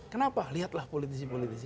kenapa lihatlah politisi politisi